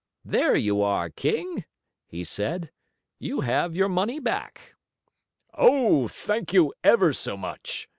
"There you are, king," he said. "You have your money back." "Oh, thank you ever so much!"